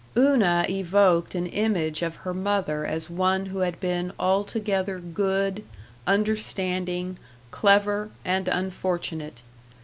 Una evoked an image of her mother as one who had been altogether good, understanding, clever, and unfortunate.